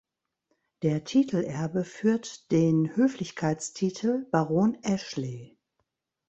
Der Titelerbe führt den Höflichkeitstitel "Baron Ashley".